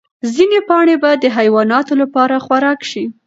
ځینې پاڼې به د حیواناتو لپاره خوراک شي.